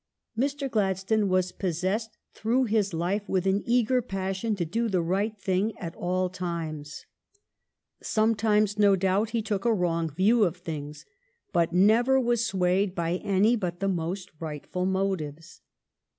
Mr. Gladstone was possessed through his life with an eager passion to do the right thing at all times. Sometimes, no doubt, he took a wrong view of things ; but never was swayed by any but the most rightful motives.